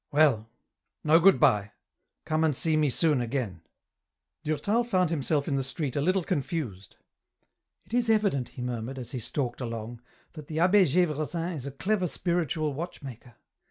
" Well 1 no good bye ; come and see me soon again." EN ROUTE. 65 Durtal found himself in the street a little confused. " It is evident," he murmured, as he stalked along, " that the Abbe Gevresin is a clever spiritual watchmaker.